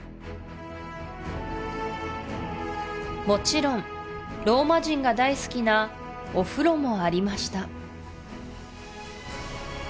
もちろんローマ人が大好きなお風呂もありました